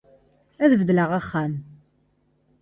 Ad beddleɣ axxam.